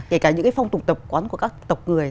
kể cả những cái phong tục tập quán của các tộc người